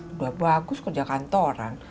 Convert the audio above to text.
udah bagus kerja kantoran